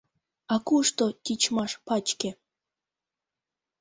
А кушто тичмаш пачке?